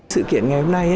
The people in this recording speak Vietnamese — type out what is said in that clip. sự kiện ngày hôm nay